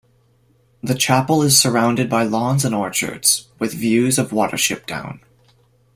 The chapel is surrounded by lawns and orchards, with views of Watership Down.